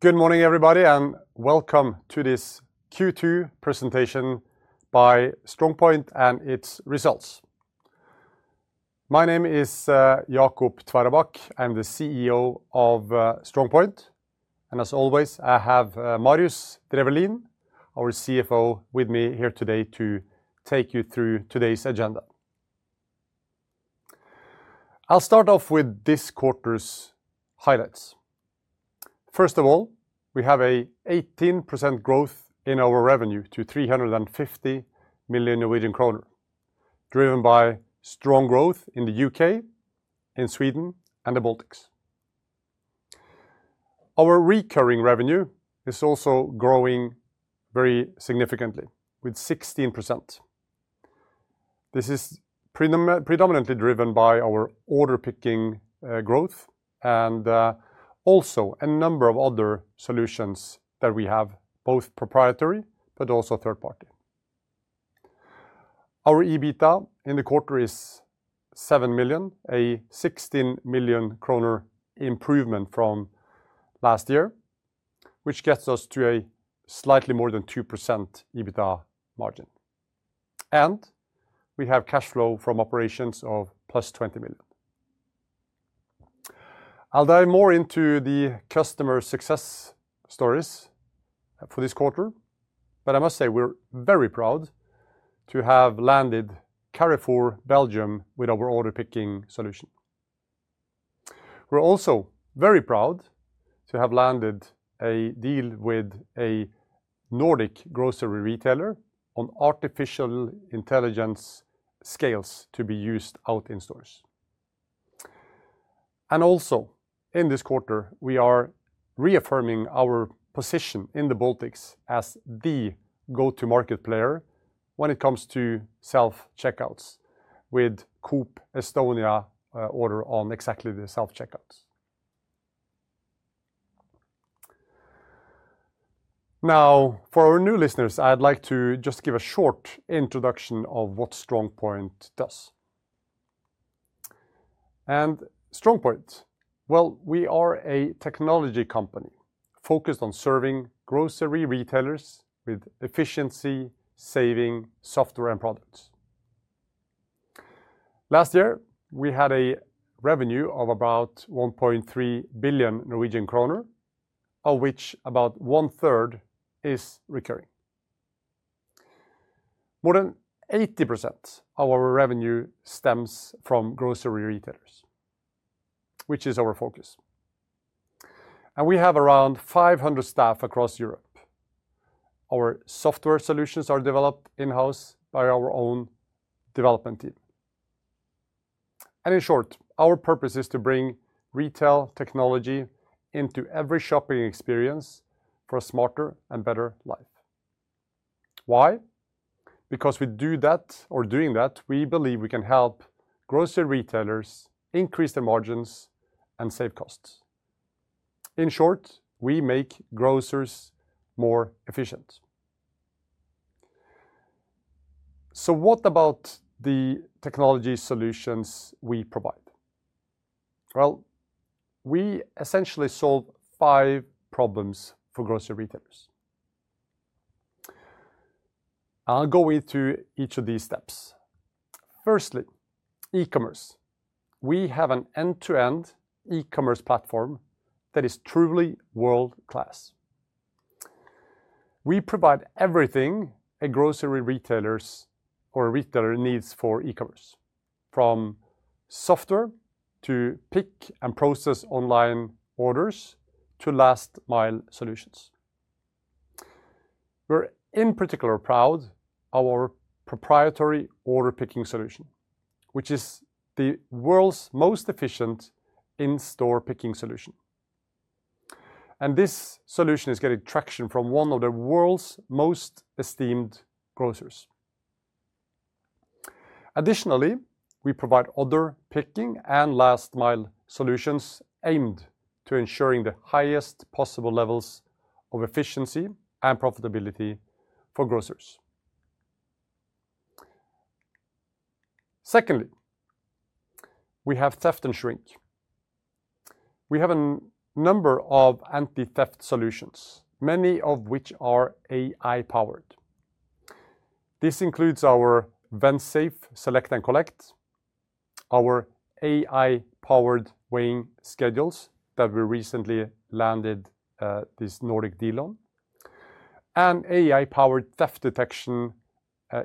Good morning, everybody, and welcome to this Q2 presentation by StrongPoint and its results. My name is Jacob Tveraabak. I'm the CEO of StrongPoint. As always, I have Marius Drefvelin, our CFO, with me here today to take you through today's agenda. I'll start off with this quarter's highlights. First of all, we have an 18% growth in our revenue to 350 million Norwegian kroner, driven by strong growth in the U.K., in Sweden, and the Baltics. Our recurring revenue is also growing very significantly with 16%. This is predominantly driven by our order picking growth and also a number of other solutions that we have, both proprietary but also third-party. Our EBITDA in the quarter is 7 million, a 16 million kroner improvement from last year, which gets us to a slightly more than 2% EBITDA margin. We have cash flow from operations of plus 20 million. I'll dive more into the customer success stories for this quarter, but I must say we're very proud to have landed Carrefour Belgium with our order picking solution. We're also very proud to have landed a deal with a Nordic grocery retailer on AI-powered scales to be used out in stores. In this quarter, we are reaffirming our position in the Baltics as the go-to-market player when it comes to self-checkout solutions, with Coop Estonia ordering on exactly the self-checkout solutions. Now, for our new listeners, I'd like to just give a short introduction of what StrongPoint does. StrongPoint is a technology company focused on serving grocery retailers with efficiency-saving software and products. Last year, we had a revenue of about 1.3 billion Norwegian kroner, of which about 1/3 is recurring. More than 80% of our revenue stems from grocery retailers, which is our focus. We have around 500 staff across Europe. Our software solutions are developed in-house by our own development team. In short, our purpose is to bring retail technology into every shopping experience for a smarter and better life. Why? Because by doing that, we believe we can help grocery retailers increase their margins and save costs. In short, we make grocers more efficient. What about the technology solutions we provide? We essentially solve five problems for grocery retailers. I'll go into each of these steps. Firstly, e-commerce. We have an end-to-end e-commerce platform that is truly world-class. We provide everything a grocery retailer needs for e-commerce, from software to pick and process online orders to last-mile solutions. We're in particular proud of our proprietary order picking solution, which is the world's most efficient in-store picking solution. This solution is getting traction from one of the world's most esteemed grocers. Additionally, we provide order picking and last-mile solutions aimed at ensuring the highest possible levels of efficiency and profitability for grocers. Secondly, we have theft and shrink. We have a number of anti-theft solutions, many of which are AI-powered. This includes our Vensafe Select and Collect, our AI-powered scales that we recently landed this Nordic deal on, and AI-powered theft detection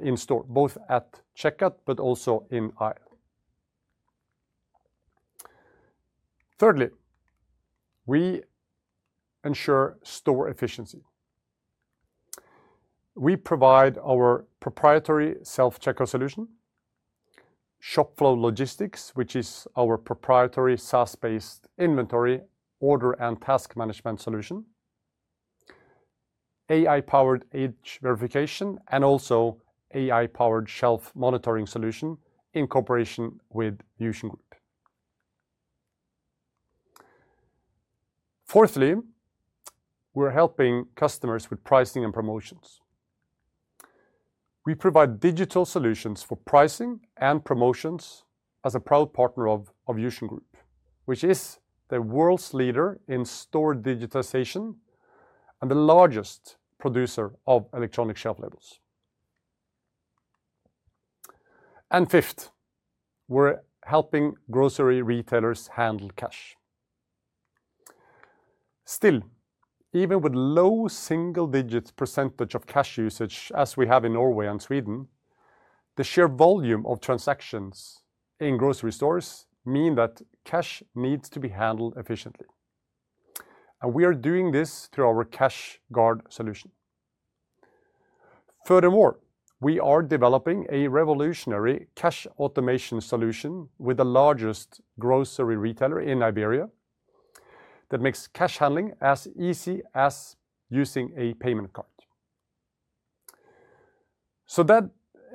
in-store, both at checkout but also in aisle. Thirdly, we ensure store efficiency. We provide our proprietary self-checkout solution, ShopFlow Logistics, which is our proprietary SaaS-based inventory order and task management solution, AI-powered age verification, and also AI-powered shelf monitoring solution in cooperation with VusionGroup. Fourthly, we're helping customers with pricing and promotions. We provide digital solutions for pricing and promotions as a proud partner of VusionGroup, which is the world's leader in store digitization and the largest producer of electronic shelf labels. Fifth, we're helping grocery retailers handle cash. Still, even with low single-digit percentage of cash usage, as we have in Norway and Sweden, the sheer volume of transactions in grocery stores means that cash needs to be handled efficiently. We are doing this through our CashGuard solution. Furthermore, we are developing a revolutionary cash automation solution with the largest grocery retailer in Liberia that makes cash handling as easy as using a payment card. That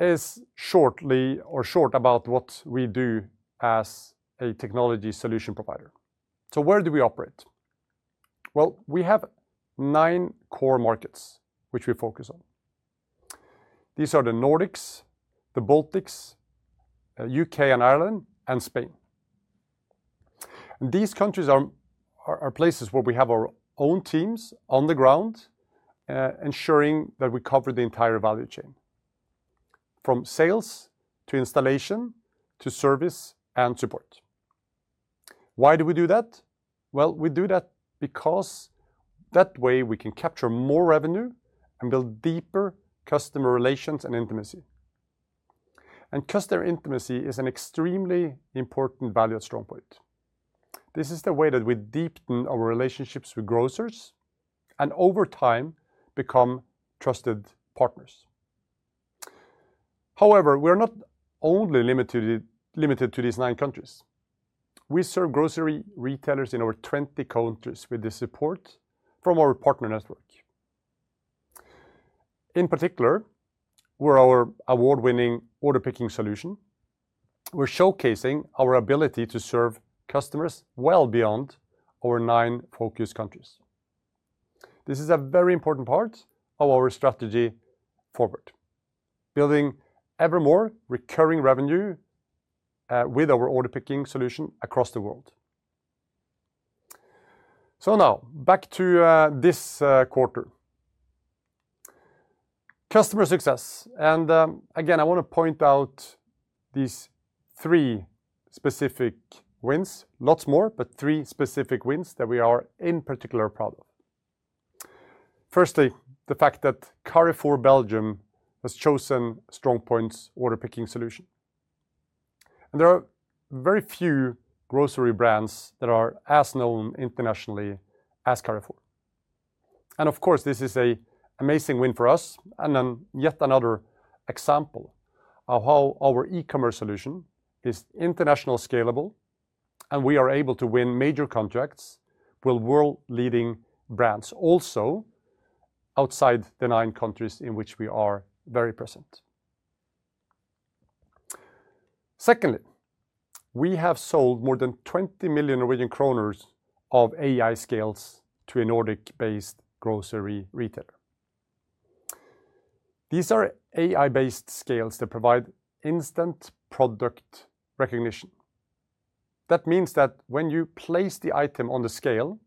is short about what we do as a technology solution provider. Where do we operate? We have nine core markets which we focus on. These are the Nordics, the Baltics, the U.K. and Ireland, and Spain. These countries are places where we have our own teams on the ground, ensuring that we cover the entire value chain, from sales to installation to service and support. We do that because that way we can capture more revenue and build deeper customer relations and intimacy. Customer intimacy is an extremely important value at StrongPoint. This is the way that we deepen our relationships with grocers and, over time, become trusted partners. However, we're not only limited to these nine countries. We serve grocery retailers in over 20 countries with the support from our partner network. In particular, with our award-winning order picking solution, we're showcasing our ability to serve customers well beyond our nine focus countries. This is a very important part of our strategy forward, building ever more recurring revenue with our order picking solution across the world. Now, back to this quarter, customer success. I want to point out these three specific wins, lots more, but three specific wins that we are in particular proud of. Firstly, the fact that Carrefour Belgium has chosen StrongPoint's order picking solution. There are very few grocery brands that are as known internationally as Carrefour. This is an amazing win for us and yet another example of how our e-commerce solution is internationally scalable, and we are able to win major contracts with world-leading brands, also outside the nine countries in which we are very present. Secondly, we have sold more than 20 million Norwegian kroner of AI-powered scales to a Nordic-based grocery retailer. These are AI-powered scales that provide instant product recognition. That means that when you place the item on the scale,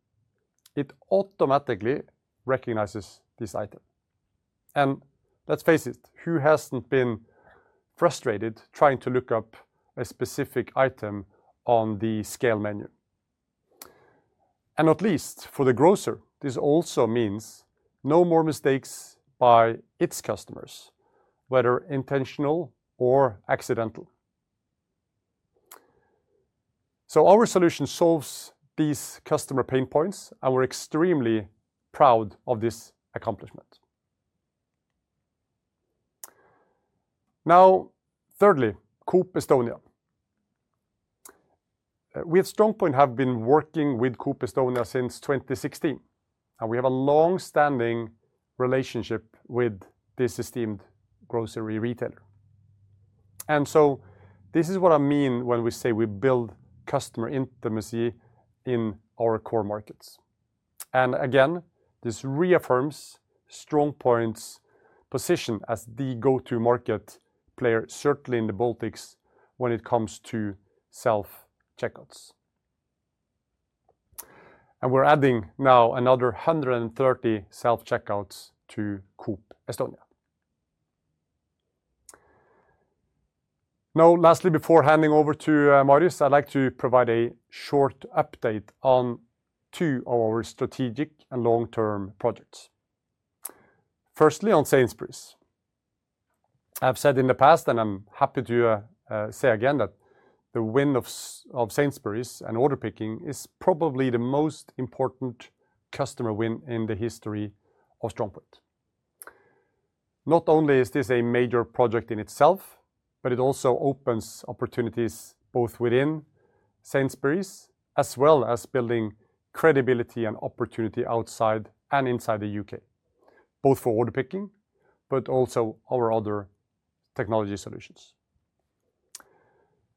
it automatically recognizes this item. Let's face it, who hasn't been frustrated trying to look up a specific item on the scale menu? Not least for the grocer, this also means no more mistakes by its customers, whether intentional or accidental. Our solution solves these customer pain points, and we're extremely proud of this accomplishment. Now, thirdly, Coop Estonia. We at StrongPoint have been working with Coop Estonia since 2016, and we have a longstanding relationship with this esteemed grocery retailer. This is what I mean when we say we build customer intimacy in our core markets. This reaffirms StrongPoint's position as the go-to-market player, certainly in the Baltics, when it comes to self-checkout solutions. We're adding now another 130 self-checkout units to Coop Estonia. Lastly, before handing over to Marius, I'd like to provide a short update on two of our strategic and long-term projects. Firstly, on Sainsbury's. I've said in the past, and I'm happy to say again, that the win of Sainsbury's in order picking is probably the most important customer win in the history of StrongPoint. Not only is this a major project in itself, but it also opens opportunities both within Sainsbury's, as well as building credibility and opportunity outside and inside the U.K., both for order picking but also our other technology solutions.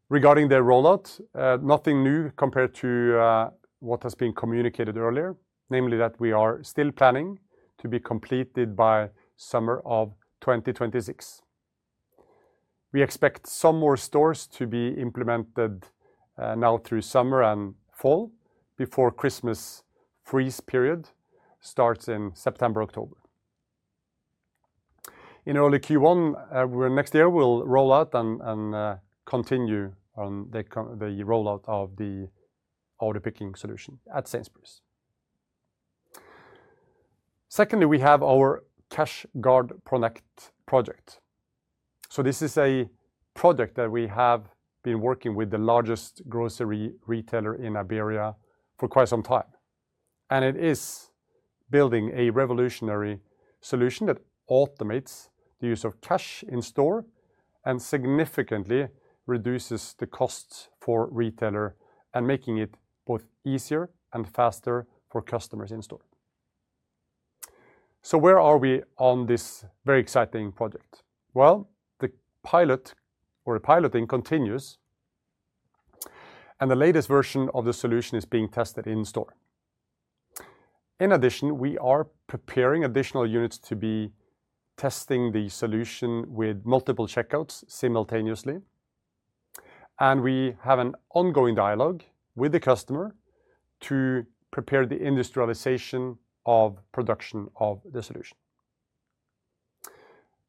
Regarding the rollout, nothing new compared to what has been communicated earlier, namely that we are still planning to be completed by the summer of 2026. We expect some more stores to be implemented now through summer and fall before the Christmas freeze period starts in September-October. In early Q1 next year, we'll roll out and continue on the rollout of our order picking solution at Sainsbury's. Secondly, we have our CashGuard Collect project. This is a project that we have been working with the largest grocery retailer in Liberia for quite some time. It is building a revolutionary solution that automates the use of cash in store and significantly reduces the costs for retailers, making it both easier and faster for customers in store. Where are we on this very exciting project? The piloting continues, and the latest version of the solution is being tested in store. In addition, we are preparing additional units to be testing the solution with multiple checkouts simultaneously. We have an ongoing dialogue with the customer to prepare the industrialization of production of the solution.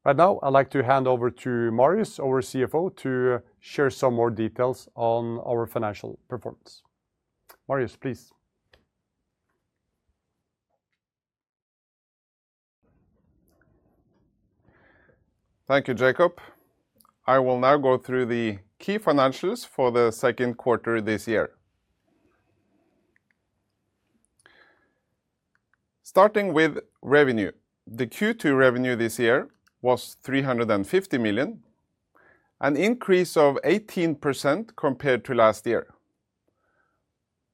Right now, I'd like to hand over to Marius, our CFO, to share some more details on our financial performance. Marius, please. Thank you, Jacob. I will now go through the key financials for the second quarter this year. Starting with revenue, the Q2 revenue this year was 350 million, an increase of 18% compared to last year.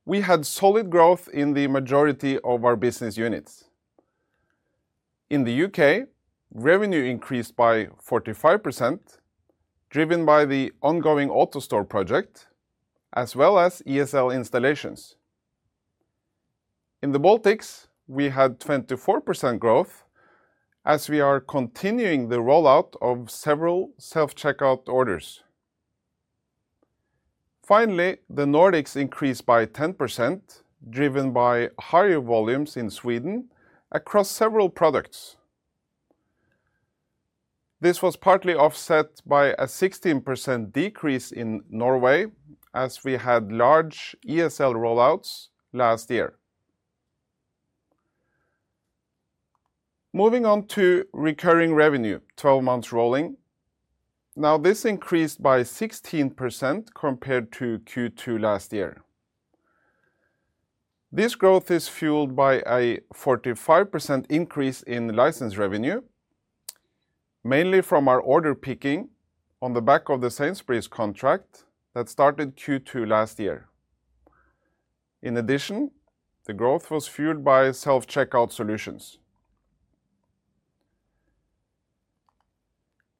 We had solid growth in the majority of our business units. In the U.K., revenue increased by 45%, driven by the ongoing AutoStore project, as well as ESL installations. In the Baltics, we had 24% growth, as we are continuing the rollout of several self-checkout orders. Finally, the Nordics increased by 10%, driven by higher volumes in Sweden across several products. This was partly offset by a 16% decrease in Norway, as we had large ESL rollouts last year. Moving on to recurring revenue, 12 months rolling. This increased by 16% compared to Q2 last year. This growth is fueled by a 45% increase in license revenue, mainly from our order picking on the back of the Sainsbury's contract that started Q2 last year. In addition, the growth was fueled by self-checkout solutions.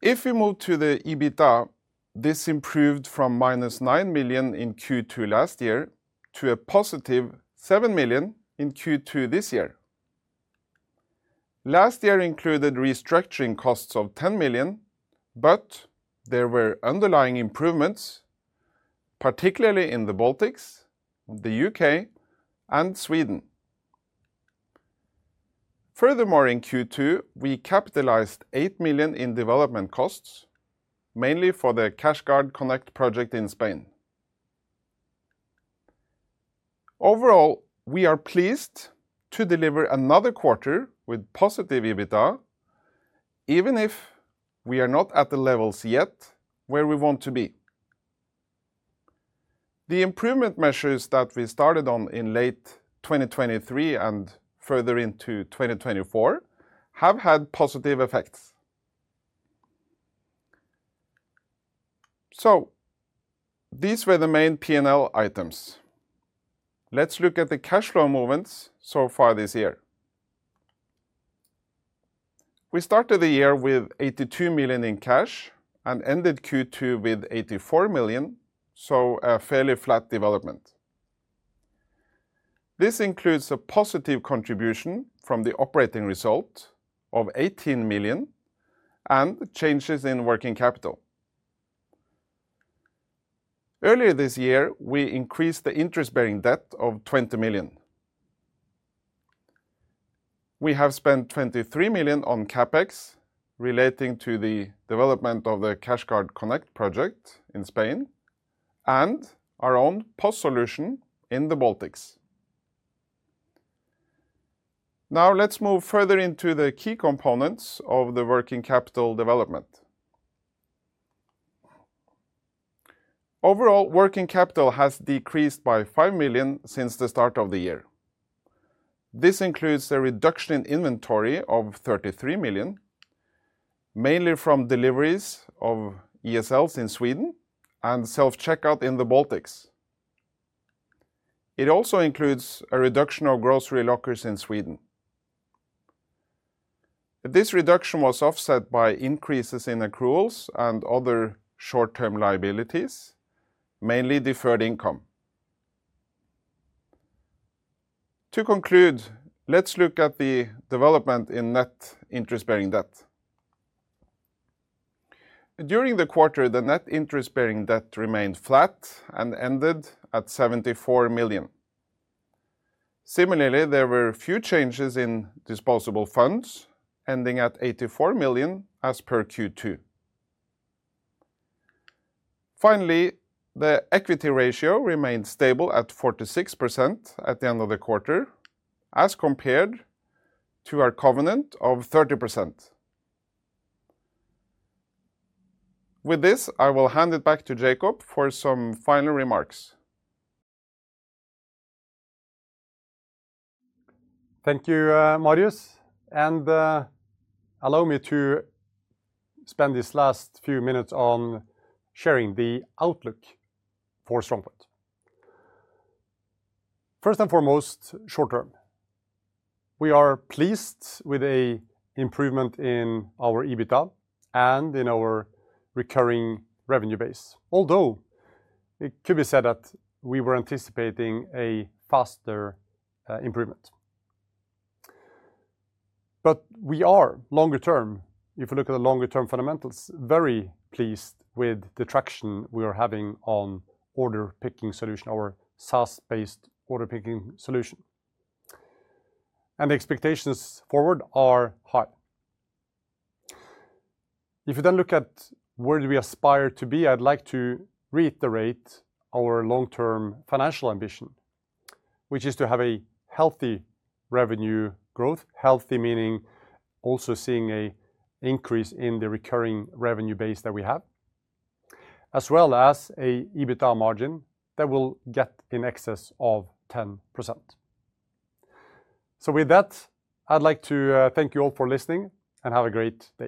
If we move to the EBITDA, this improved from -9 million in Q2 last year to a +7 million in Q2 this year. Last year included restructuring costs of 10 million, but there were underlying improvements, particularly in the Baltics, the U.K., and Sweden. Furthermore, in Q2, we capitalized 8 million in development costs, mainly for the CashGuard Connect project in Spain. Overall, we are pleased to deliver another quarter with positive EBITDA, even if we are not at the levels yet where we want to be. The improvement measures that we started on in late 2023 and further into 2024 have had positive effects. These were the main P&L items. Let's look at the cash flow movements so far this year. We started the year with 82 million in cash and ended Q2 with 84 million, so a fairly flat development. This includes a positive contribution from the operating result of 18 million and changes in working capital. Earlier this year, we increased the interest-bearing debt by 20 million. We have spent 23 million on CapEx relating to the development of the CashGuard Connect project in Spain and our own POS solution in the Baltics. Now, let's move further into the key components of the working capital development. Overall, working capital has decreased by 5 million since the start of the year. This includes a reduction in inventory of 33 million, mainly from deliveries of ESLs in Sweden and self-checkout in the Baltics. It also includes a reduction of grocery lockers in Sweden. This reduction was offset by increases in accruals and other short-term liabilities, mainly deferred income. To conclude, let's look at the development in net interest-bearing debt. During the quarter, the net interest-bearing debt remained flat and ended at 74 million. Similarly, there were a few changes in disposable funds, ending at 84 million as per Q2. Finally, the equity ratio remained stable at 46% at the end of the quarter, as compared to our covenant of 30%. With this, I will hand it back to Jacob for some final remarks. Thank you, Marius. Allow me to spend these last few minutes on sharing the outlook for StrongPoint. First and foremost, short term, we are pleased with the improvement in our EBITDA and in our recurring revenue base. Although it could be said that we were anticipating a faster improvement, we are, longer term, if we look at the longer-term fundamentals, very pleased with the traction we are having on order picking solution, our SaaS-based order picking solution. The expectations forward are high. If you then look at where do we aspire to be, I'd like to reiterate our long-term financial ambition, which is to have a healthy revenue growth. Healthy meaning also seeing an increase in the recurring revenue base that we have, as well as an EBITDA margin that will get in excess of 10%. With that, I'd like to thank you all for listening and have a great day.